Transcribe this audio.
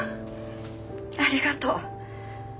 ありがとう。